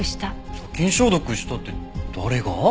殺菌消毒したって誰が？